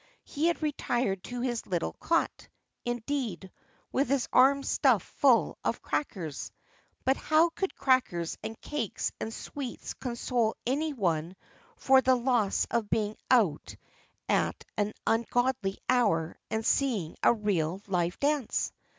He had retired to his little cot, indeed, with his arms stuffed full of crackers, but how could crackers and cakes and sweets console any one for the loss of being out at an ungodly hour and seeing a real live dance!